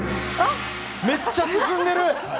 めっちゃ進んでる。